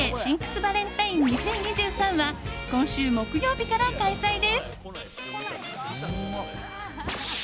バレンタイン２０２３は今週木曜日から開催です。